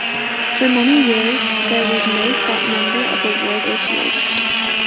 For many years, there was no set number of awards issued.